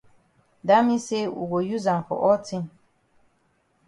Dat mean say we go use am for all tin.